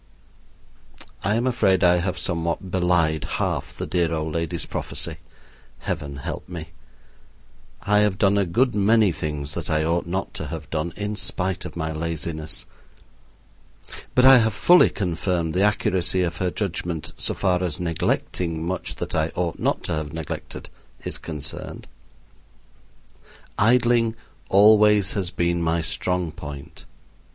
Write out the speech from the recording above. I am afraid I have somewhat belied half the dear old lady's prophecy. Heaven help me! I have done a good many things that I ought not to have done, in spite of my laziness. But I have fully confirmed the accuracy of her judgment so far as neglecting much that I ought not to have neglected is concerned. Idling always has been my strong point.